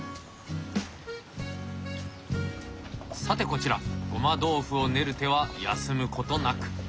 さてこちらごま豆腐を練る手は休むことなく。